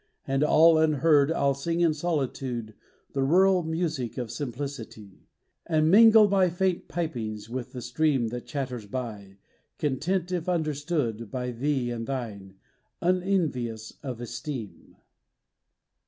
And all unheard I'll sing in solitude The rural music of simplicity, And mingle my faint pipings with the stream That chatters by, content if understood By thee and thine, unenvious of esteem.